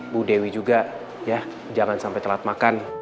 bu dewi juga ya jangan sampai telat makan